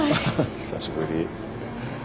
久しぶり。